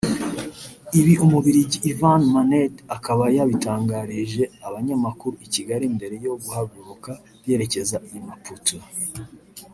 Ibi umubiligi Ivan Minnaert akaba yabitangarije abanyamakuru i Kigali mbere yo guhaguruka yerekeza i Maputo